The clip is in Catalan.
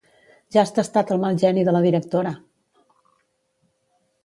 Ja has tastat el mal geni de la directora!